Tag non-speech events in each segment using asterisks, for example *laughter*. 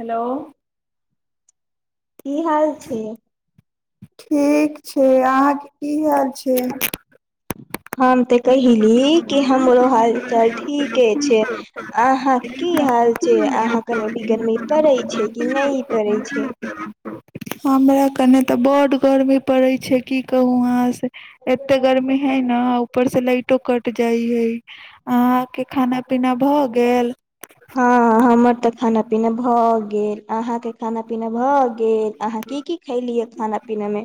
hello की हाल छै ठीक छै अहाँके की हाल छै ह हम तऽ कहिली कि हमरो हाल चाल ठीके छै अहाँके की हाल छै अहा कनि बिगरमी पड़ै छै कि नहि पड़ै छै हमरा कने तऽ बड गर्मी पड़ै छै की कहू वहाँ से एते गर्मी है न सिलइटो कट जाइ है अहाँ के खाना पीना भऽ गेल हँ हमर तऽ खाना पीना भऽ गेल अहाँके क ा पीना भऽ गेल अहाँ की की खैलियै खाना पीना मे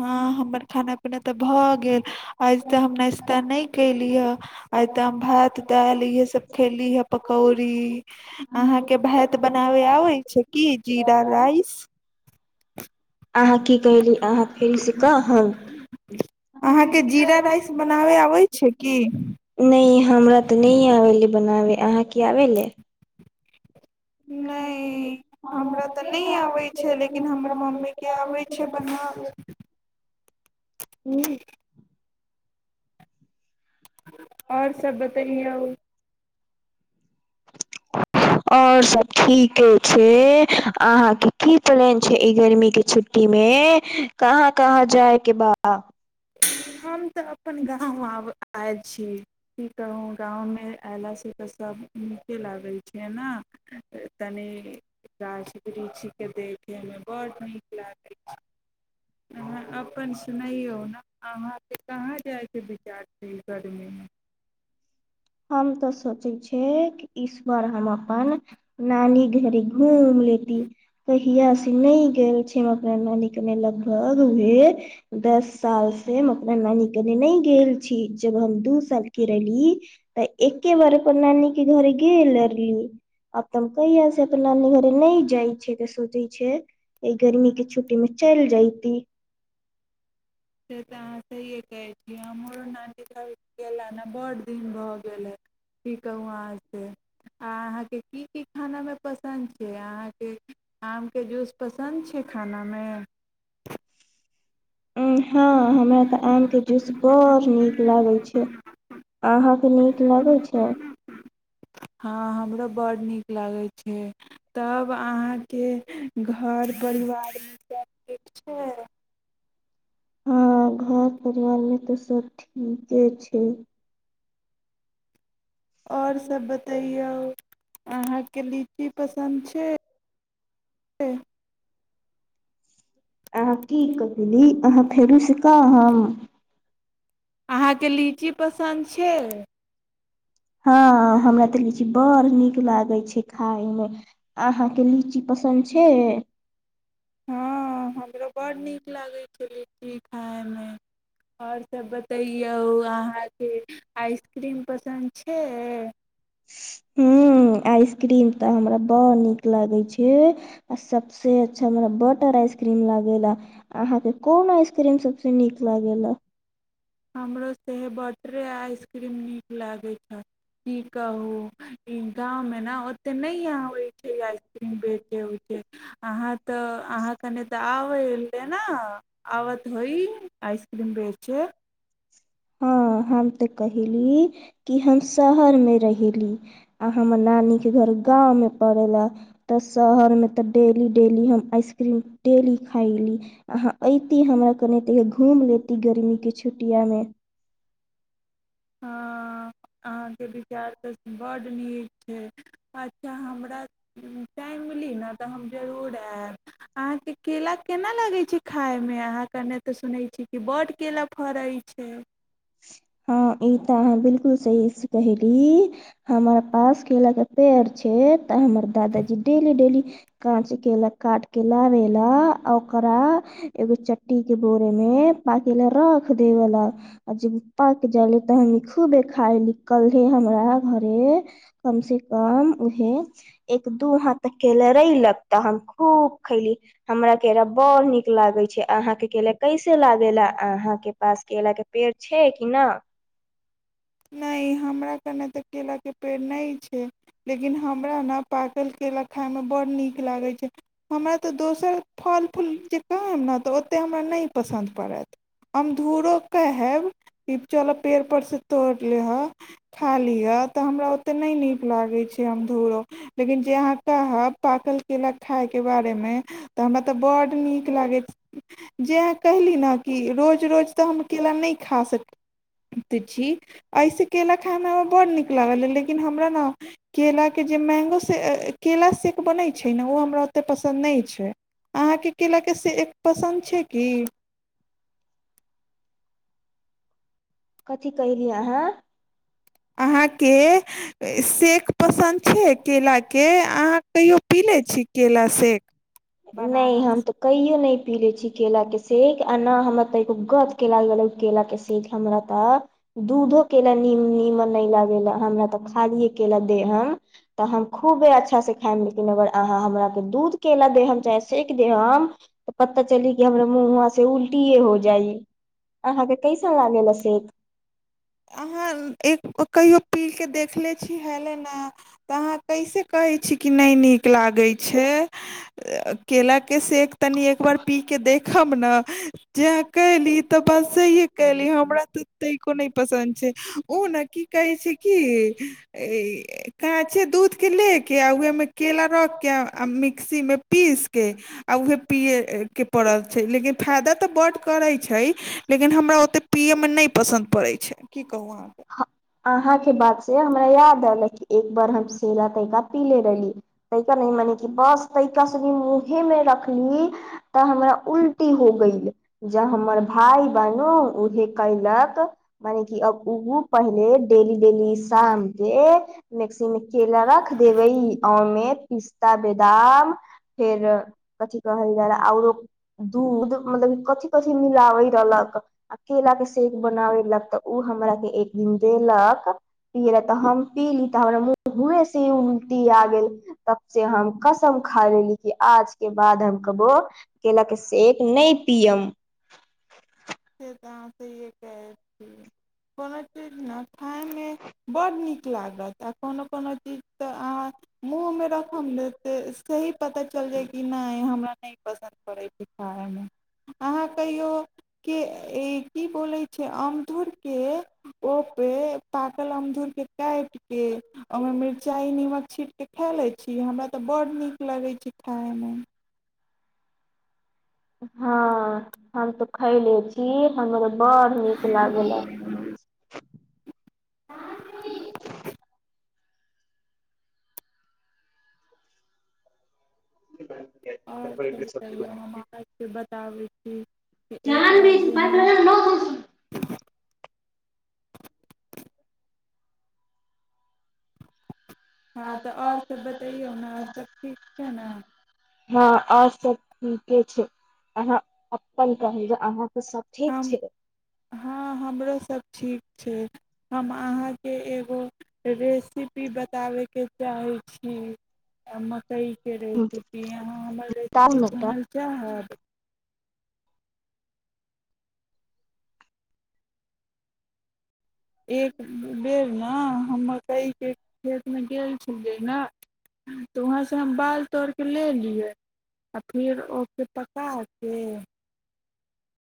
हँ हमर खाना अपना तऽ भऽ गेल आइ तऽ अहाँ हम नाश्ता नहि कयली हे आइ तऽ हम भात दालि इएहसभ खयली हे पकौड़ी अहाँके भात बनाबय आबै छै की जीरा राइस अहाँ की कहली अहाँ फेरसँ कहब अहाँके जीरा राइस बनाबे आबै छै की नहि हमरा तऽ नहि आबले बनाबे अहाँ की आबै ले नहि हमरा तऽ नहि आबै छै लेकिन हमर मम्मीके आबै छै बनाब ह्म आओर सब बतैयए आओर सब ठीके छै अहाँके की प्लान छै ई गर्मीे छुट्टी मे कहाँ कहाँ जायके बाब हम तऽ अपन गाँव आब आयल छी की कहू गाँवमे अयलासँ तऽ सभ नीके लागैत छै ने तनि गाछ वृक्षके देखयमे बड नीक लागैत छै अाँ अपन सुनैयौ ने अहाँके कहाँ जाइके विचार छै गर्मीमे हम तऽ सोचे छ कि ईस्वर हम अपन नानी घड़ी ह लेी क हया से नहि गेल छी हम अपना नानी कने लगभग उह दस साल से हम अपना नानी कने नहि गेल छी जब हम दू सालके रहलली तऽ एके बार अपन नानी के घरे गेल अली आब तऽ हम कहिया से अपन नानी घरे नहि जाय छै तऽ सोचे छै ई गर्मी के छुट्टी में चलि जयती से तऽ अहाँ सहिए कहै छी हमरो नानीसभ गेलनि ह बड़ दिन भऽ गेल हए की कहू अहाँसँ आ अहाँके की की खानामे पसन्द छै अहाँके आमके जूस पसन्द छै खानामे हँ हमरा तऽ आमके जूस बड़ नीक लागैत छै अहाँके नीक लगैत छै ब्ड़ड नीक लागै छै तब अहाँके घर परिवार ईसभ ठीक छै हँ घर परिवार मे तऽ सब ठीके छै आओर सभ बतैयौ अहाँके लीची पसन्द छै अहाँ की कही अहाँ फेरो सिकब हम अहाँके लीची पसन्द छै हँ हमरा तऽ लीची बड़ नीक लागै छै खाायमे अहाँके लीची पसन्द छै हँ हमराो बडड़ नीक लागैत छै लीची खाइमे आओरसभ बतैयौ अहाँके आइसक्रीम पसन्द छै हूँ आइसक्रीम तऽ हमरा बड़ नीक लागै छै आ सभसँ अच्छा हमरा बटर आइसक्रीम लागैए अहाँके कोन आइसक्रीम सभसँ नीक लागए हमरो से बटरे आइसक्रीम नीक लागैत छै की कहू ई गाँवमे ने ओतेक नहि अबैत छै आइस बे छै अहाँ तऽ अहाँ कनि तऽ आबै एलै ने आबऽ तऽ होइ आइसक्रीम बेच हँ हम तऽ कहयली कि हम शहरमे रहेली आ हमर नानीके घर गाँवमे पड़य लए तऽ शहरमे तऽ डेली डेली हम आइसक्रीम डेली खयली अहाँ अयती हमरा कनि त घूमि लेती गर्मीके छुटियामे हँ अहाँके विचार तऽ बड्ड नीक छै अच्छा हमरा टाइम मिली ने तऽ हम जरूर आयब अहाँके केरा केना लगै छै खायमे अहाँ कने तऽ सुनै छी कि बड्ड केरा फड़ै छै ह ई तऽ अहाँ बिलकुल सही से कहली हमर पास केला के पेड़ छै तऽ हमर दादाजी डेली डेली काँच के ल काट के लाबे ला आ ओकरा एगो चट्टी के भोरे मे पाकी ले रख देवेला आ जे पक जायले तहनी खूबे खायली कल्हे हमरा घरे कम से कम उहे एक दू हाथ केेला रेलक तऽ हम खूब खैली हमरा केरा बड़ नीक लागे छै अहााँ के केेला कैसे लागेेला अहााँ के पास केरा के पेड़ छै ई ना नहि हमरा कने तऽ केराके पेड़ नहि छै लेकिन हमरा ने पाकल केरा खाायमे बडड़ड नीक लागैत छै हमरा तऽ दोसर फल फूल जे कहब ने तऽ ओतेक हमरा नहि पसन्द पड़त हम धूुरो कहैब कि चलऽ पेड़पर सँ तोर लिहऽ ख ली य ते हमरा ओते न नी लागै छै हम दौड़ब लेकिन जे अहाँ कहब पाकल केेला खायके बारेमे तऽ हमरा तऽ बड्ड नीक लागैत जे अहाँ कहली ने कि रोज रोज तऽ हम केेला नहि खा सकैत छी एहिसँ केेला खाइमे हमरा बड्ड नीक लागल लेकिन हमरा ने केराके जे मैंगो से केेलरा सेेक बनैत छै ने ओ हमरा ओतेक पसन्द नहि छै अहाँके केरेलाके सेेक पसन्द छै की कथी कयली अहाँ अहाँके सेक पसन्द छै केराके अहाँ कहिो पी लैत छी केरा सेक नहि हम तो कहियो नहि पी ले छी केला के सेक आ न हमरा ते एगो गद के लागले केला के सेक हमरा ते दूधो केेला नीम नीमन न लागेेल हमरा ते खालीए केेला दे ह तऽ हम खूबे अच्छा से खायम लेकिन अगर अहाँ हमरा के दूध केेला दे ह चाहे सेक दे हम तऽ पता चली कि हमरा मुह वहा से उल्टीए हो जाइ अहाँके कैसन लागे सेक अहाँ एक कहियो पी कऽ देखले छी हेलै ने तऽ अहाँ कैसे कहैत छी कि नहि नीक लागैत छै केला के शेक तनि एक बार पी के देख खामना जे कली तऽ बस सहिे कली हमरा त तै कोनो पसन्द छै ओ नहि की कहै छै किी ई आ कहै छियै दूधके लए कऽ आ उएमे केरा रखि कऽ आ मिक्सीमे पीसि कऽ आ उहे पियै के पड़ल छै लेकिन फायदा तऽ बड करै छै लेकिन हमरा ओते पियै मे नहि पसन्द पड़ैत छै की अहाँके बात से हमरा याद रहलक एक बार हम सराा तरिका पीले रहली तैा ने मने कि बस तैका सेी मुँहे मे रखली तऽ हमरा उल्टी हो ग जब हमर भाय बनो उहे कयलक मने कि ओ पहिले डेली डेली शाम के ने्ट स केेला रख देबै मे पिस्ता बदाम फेर कथि कहल जाय औरो दूध मतलब कथिी कथिी मिलाबे रहलक आ केला के सेक बनाबे रहलक तऽ ओ हमरा एक दिन देलक पियल तऽ हम पीी तऽ हमरा मुह घे से उलटी आ गेल तब से हम कसम खा लेली कि आज के बाद हम कबो केलक शेक नहि पियब तऽ से अहाँसँ ईे कहैत छी कोनो चीज ने खाइमे बड्ड नीक लागत आ कोनो कोनो चीज तऽ अहाँ मुँह मे रखम देते सही पता चल जाय कि नहि हमरा नहि पसन्द पड़ै छै खाइमे अहाँ कहियौ के ई की बोले छै अमदुर के ओपे प कल अमदुरके काटिके ओमे मिर्चाइ निमक छिटके खा लैत छी हमरा तऽ बड्ड नीक लगैत छै खाायमे हँ हम तो खैले छी हमर बड़ नीक लाग *inaudible* आओर सभतैयौ हम अाँके बताबै छी कि एक बार जे हम हँ तऽ आओर सब बतैयौ ने आओर सब ठीक छै ने हँ आ सब के छै अहाँ अपन कहू जे अहाँ त सब ठीक हम छै हँ हमरो सब ठीक छै हम अहाँके एगो रेसिपी बताबैके चाहै छी म सहके रेसिपी अहाँ हमर बताउ रेसिपी ने तऽ सुनै लए चाहब एक बेर ने हम मक्कइके खेतमे गेल छलियै ने तऽ वहाँसँ हम बाल तोड़ि कऽ लियै आ फेर ओके पका कऽ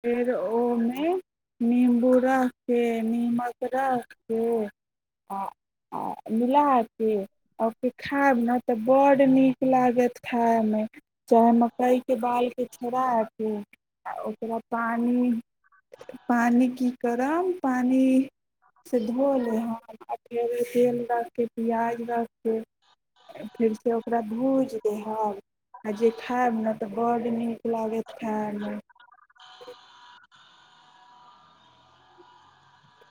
फेर ओहिमे निम्बू रख कऽ निमक रखि कऽ आ आ मिला कऽ आ ओकर खायब ने तऽ बड्ड नीक लागत खायायमे चाहे मक्कइके बालकेँ छोड़ा कऽ आ ओकरा पानि पानि की करब पानिसँ धो लहब आ फेर तेल राखि कऽ पियाज राखि कऽ फेरसँ ओकरा भूजि दहब आ जे खायब ने तऽ बड्ड नीक लागत खायमे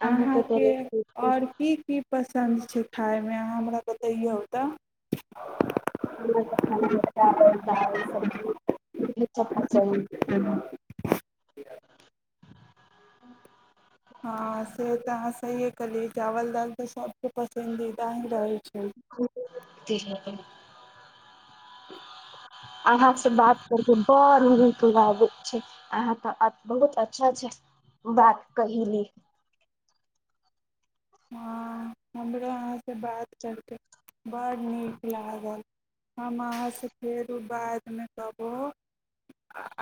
अहाँके आओर की की पसन्द छै खाायमे अहाँ हमरा बताैयए होत च *inaudible* हँ से तऽ सही कहली चावल दालि तऽ सब के पसन्दीद रहै छै अहाँ से बात करके बड़ नीक लागैत छै अहाँके बहुत अच्छा छै बात कहि ली हँ हमरो अहाँसँ बात करि कऽ ब्ड़ड नीक लागल हम अहाँसँ फेरो बादमे कहबहु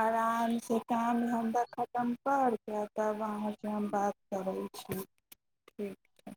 आरामसँ काम हमरा खतम कर जाय तब अहाँसँ हम बात करै छी ठीक छै